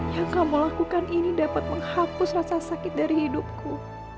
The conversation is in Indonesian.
yang kamu lakukan ini dapat menghapus rasa sakit dari hidupku